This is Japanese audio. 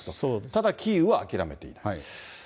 ただ、キーウは諦めていない。